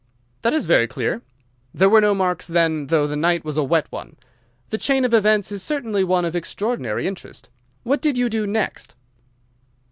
"That is very clear. There were no marks, then, though the night was a wet one? The chain of events is certainly one of extraordinary interest. What did you do next?